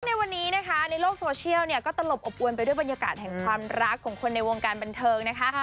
ในวันนี้นะคะในโลกโซเชียลเนี่ยก็ตลบอบอวนไปด้วยบรรยากาศแห่งความรักของคนในวงการบันเทิงนะคะ